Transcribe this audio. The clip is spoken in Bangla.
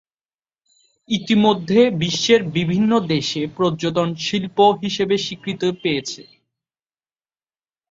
ইতিমধ্যে বিশ্বের বিভিন্ন দেশে পর্যটন শিল্প হিসেবে স্বীকৃতি পেয়েছে।